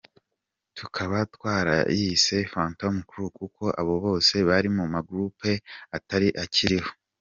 Tukaba twarayise Phantoms Crew kuko abo bose bari muma groupes atari akiriho.